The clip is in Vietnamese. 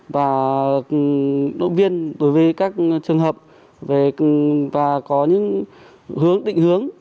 và động viên đối với các trường hợp và có những hướng định hướng